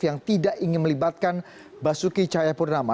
yang tidak ingin melibatkan basuki cahaya purnama